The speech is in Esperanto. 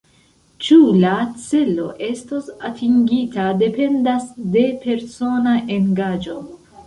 Ĉu la celo estos atingita, dependas de persona engaĝo.